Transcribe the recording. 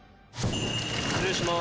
失礼します。